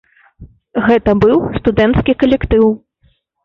Гэта быў студэнцкі калектыў.